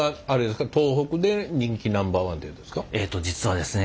えっと実はですね